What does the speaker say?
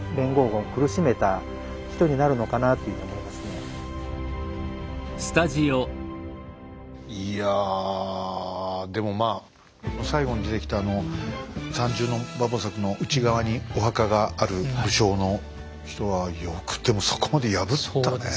やはりそのいやあでもまあ最後に出てきた３重の馬防柵の内側にお墓がある武将の人はよくでもそこまで破ったねえ。